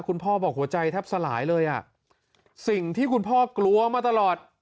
คุณพ่อบอกหัวใจแทบสลายเลยอ่ะสิ่งที่คุณพ่อกลัวมาตลอด